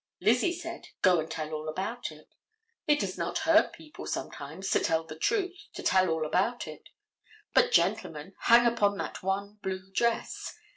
Lizzie said: "Go and tell all about it." It does not hurt people, sometimes, to tell the truth, to tell all about it. But, gentlemen, hang upon that one blue dress.